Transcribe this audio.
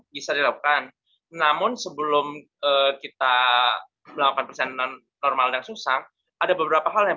bisa dilakukan namun sebelum kita melakukan perjalanan normal dan susah ada beberapa hal yang